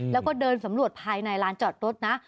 แล้วก็เดินสำรวจภายในร้านจอดรถนะ